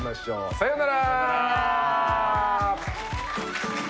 さよなら。